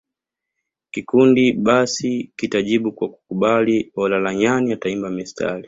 Kikundi basi kitajibu kwa kukubali na Olaranyani ataimba mistari